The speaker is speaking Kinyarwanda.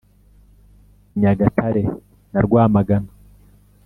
Nyagatare na Rwamagana